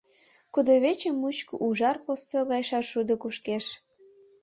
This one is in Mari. Кудвече мучко ужар посто гай шаршудо кушкеш.